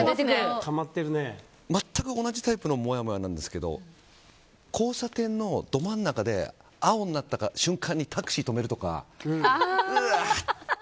全く同じタイプのもやもやなんですけど交差点のど真ん中で青になった瞬間にタクシーを止めるとかうわーって。